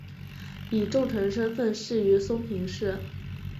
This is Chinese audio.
以重臣身份仕于松平氏。